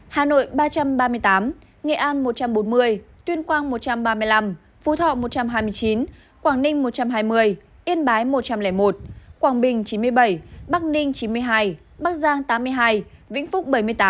hà nội ba trăm ba mươi tám nghệ an một trăm bốn mươi tuyên quang một trăm ba mươi năm phú thọ một trăm hai mươi chín quảng ninh một trăm hai mươi yên bái một trăm linh một quảng bình chín mươi bảy bắc ninh chín mươi hai bắc giang tám mươi hai vĩnh phúc bảy mươi tám